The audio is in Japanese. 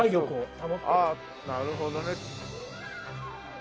なるほどね。